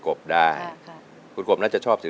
กลับมาเมื่อเวลาที่สุดท้าย